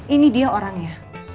ini dia orangnya